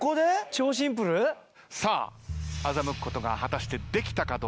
超シンプル？さあ欺くことが果たしてできたかどうか。